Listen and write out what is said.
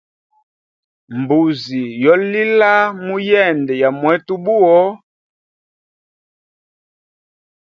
Mbuzi yo lila muyende ya mwetu buwo.